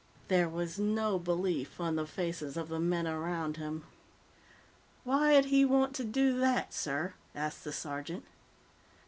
There was no belief on the faces of the men around him. "Why'd he want to do that, sir?" asked the sergeant.